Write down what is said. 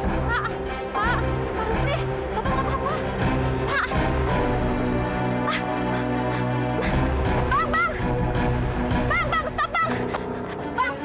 pak pak pak